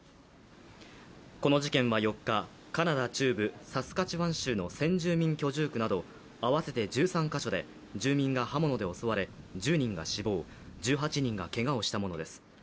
この事件は４日、カナダ中部サスカチワン州の先住民居住区など合わせて１３か所で住民が刃物で襲われ１０人が死亡、１８人がけがをしたものです。